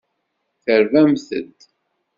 Terbamt-d.